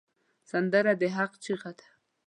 سندره د حق چیغه ده